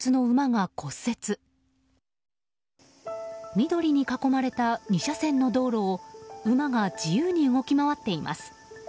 緑に囲まれた２車線の道路を馬が自由に動き回っています。